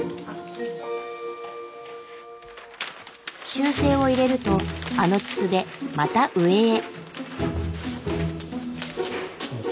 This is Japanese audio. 修正を入れるとあの筒でまた上へ。